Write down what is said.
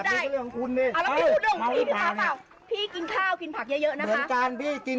แต่ก็เรื่องของคุณ